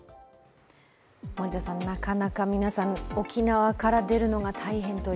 森田さん、なかなか皆さん沖縄から出るのが大変という。